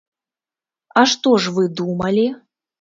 А што ж вы думалі?